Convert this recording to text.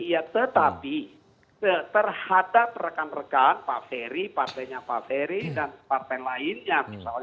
ya tetapi terhadap rekan rekan pak ferry partainya pak ferry dan partai lainnya misalnya dalam hal ini